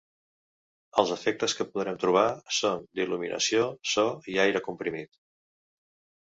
Els efectes que podrem trobar són d'il·luminació, so i aire comprimit.